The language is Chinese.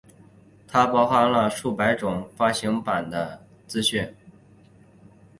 它包含了数百种发行版的资讯。